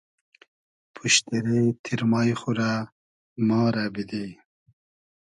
پوشتیرې تیرمای خو رۂ ما رۂ بیدی